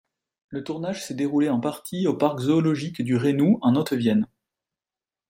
Le tournage s'est déroulé en partie au parc zoologique du Reynou, en Haute-Vienne.